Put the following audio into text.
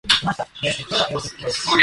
ペリー来航